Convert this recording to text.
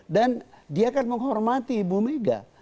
dan dia kan menghormati ibu mega